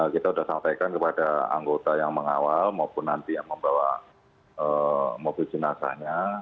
kita sudah sampaikan kepada anggota yang mengawal maupun nanti yang membawa mobil jenazahnya